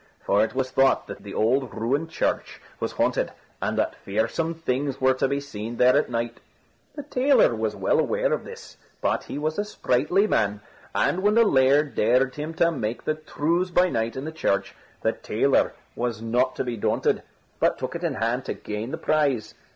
For it was thought that the old ruined church was haunted, and that fearsome things were to be seen there at night. The tailor was well aware of this; but he was a sprightly man, and when the laird dared him to make the trews by night in the church, the tailor was not to be daunted, but took it in hand to gain the prize.